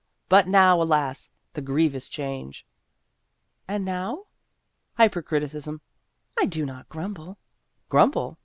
But now, alas ! the grievous change !" "And now?" " Hypercriticism." " I do not grumble." " Grumble